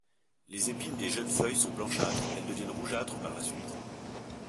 Les épines des jeunes feuilles sont blanchâtres, elles deviennent rougeâtre par la suite.